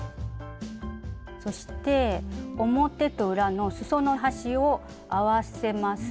そして表と裏のすその端を合わせます。